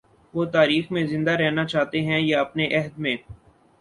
وہ تاریخ میں زندہ رہنا چاہتے ہیں یا اپنے عہد میں؟